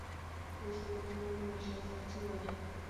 نورستان د افغانانو د معیشت سرچینه ده.